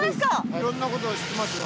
いろんなこと知ってますよ。